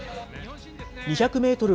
２００メートル